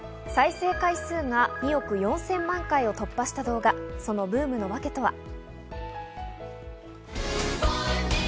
再生回数が２億４０００万回を突破した動画、そのブームのワケとは。